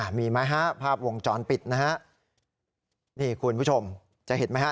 มีไหมฮะภาพวงจรปิดนะฮะนี่คุณผู้ชมจะเห็นไหมฮะ